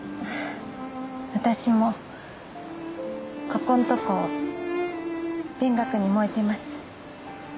私もここんとこ勉学に燃えてます。